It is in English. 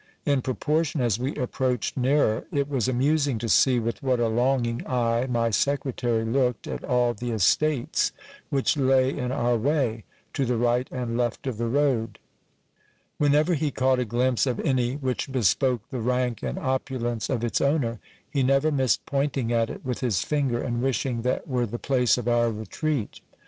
In proportion as we approached nearer, it was' amusing to see with what a longing eye my secretary looked at all the estates which lay in our way, to the right and left of the road. Whenever he caught a glimpse of any which bespoke the rank and opulence of its owner, he never missed pointing at it with his finger, and wishing that were the place of our retreat.